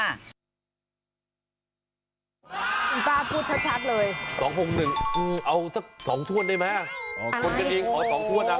คุณป้าพูดชัดเลยสองหกหนึ่งเอาสักสองถ้วนได้ไหมอ๋อทดกันเองอ๋อสองถ้วนอ่ะ